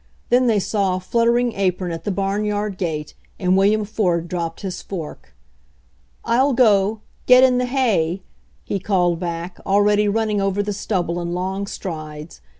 Then they saw a fluttering apron at the barnyard gate, and Wil liam Ford dropped his fork. "Ill go. Get in the hay !" he called back, al ready running over the stubble in long strides.